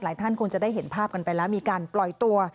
ท่านคงจะได้เห็นภาพกันไปแล้วมีการปล่อยตัว